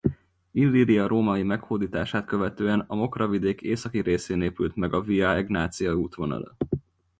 Illíria római meghódítását követően a Mokra-vidék északi részén épült meg a Via Egnatia útvonala.